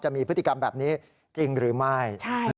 มีพฤติกรรมแบบนี้จริงหรือไม่